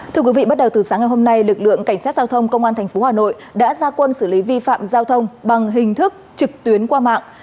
thưa quý vị bắt đầu từ sáng ngày hôm nay lực lượng cảnh sát giao thông công an tp hà nội đã ra quân xử lý vi phạm giao thông bằng hình thức trực tuyến qua mạng